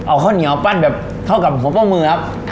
เอาข้าวเหนียวปั้นแบบเข้ากับหัวข้อมือครับ